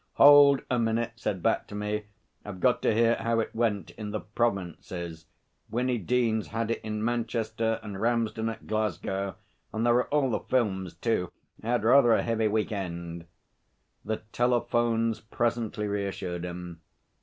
'Hold a minute,' said Bat to me. 'I've got to hear how it went in the provinces. Winnie Deans had it in Manchester, and Ramsden at Glasgow and there are all the films too. I had rather a heavy week end.' The telephones presently reassured him.